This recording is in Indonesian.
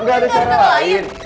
enggak ada cara lain